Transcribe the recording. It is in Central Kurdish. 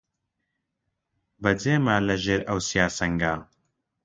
بەجێ ما لە ژێر ئەو سیا سەنگا